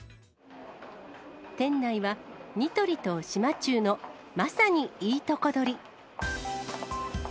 店内は、ニトリと島忠のまさにいいとこ取り。